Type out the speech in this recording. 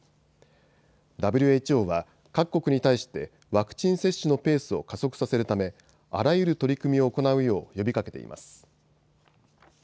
ＷＨＯは各国に対してワクチン接種のペースを加速させるためあらゆる取り組みを行うよう呼びかけています。